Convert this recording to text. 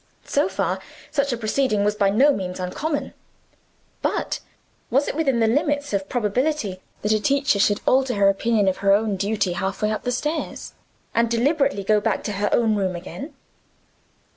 So far, such a proceeding was by no means uncommon. But was it within the limits of probability that a teacher should alter her opinion of her own duty half way up the stairs, and deliberately go back to her own room again?